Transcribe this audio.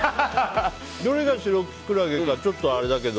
どれがシロキクラゲかちょっとあれだけど。